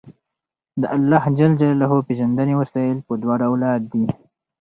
د اللَّهِ ج پيژندنې وسايل په دوه ډوله دي